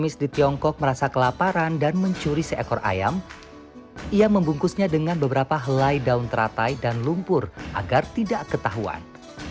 ia membungkusnya dengan beberapa helai daun teratai dan lumpur agar tidak ketahuan